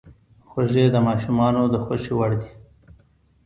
خوږې د ماشومانو د خوښې وړ دي.